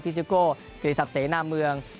พิซิโกกฎิศักดิ์เสน่ห์หน้าเมือง